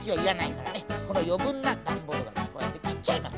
このよぶんなだんボールはこうやってきっちゃいます。